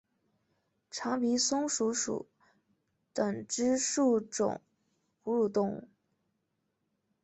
长鼻松鼠属等之数种哺乳动物。